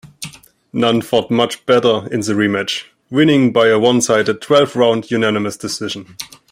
Nunn fought much better in the rematch, winning by a one-sided twelve-round unanimous decision.